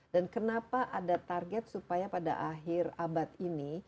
dan kenapa ada target supaya pada akhir abad ini